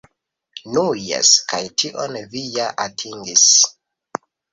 Nu jes, kaj tion vi ja atingis.